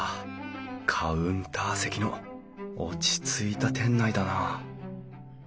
カウンター席の落ち着いた店内だな。